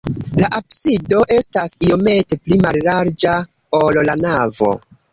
La absido estas iomete pli mallarĝa, ol la navo.